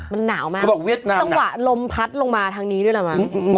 มันหนาวมากจังหวะลมพัดลงมาทางนี้ด้วยแหละมั้ง